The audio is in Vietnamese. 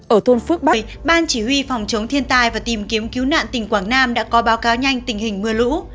ở thôn phước bày ban chỉ huy phòng chống thiên tai và tìm kiếm cứu nạn tỉnh quảng nam đã có báo cáo nhanh tình hình mưa lũ